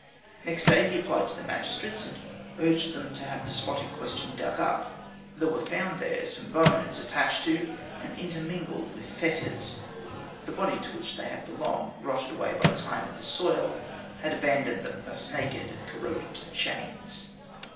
Next day he applied to the magistrates, and urged them to have the spot in question dug up. There were found there some bones attached to and intermingled with fetters; the body to which they had belonged, rotted away by time and the soil, had abandoned them thus naked and corroded to the chains.